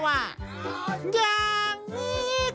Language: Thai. แผงชำบง